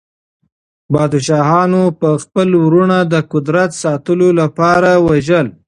پادشاهانو به خپل وروڼه د قدرت ساتلو لپاره وژل.